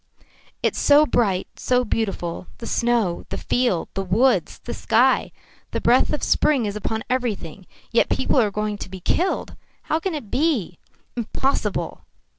"It's so bright, so beautiful the snow, the field, the woods, the sky. The breath of spring is upon everything. Yet people are going to be killed. How can it be? Impossible!"